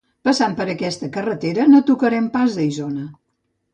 Passant per aquesta carretera, no tocarem pas a Isona.